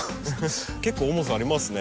結構重さありますね。